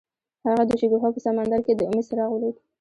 هغه د شګوفه په سمندر کې د امید څراغ ولید.